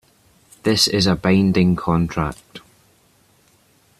This is a binding contract.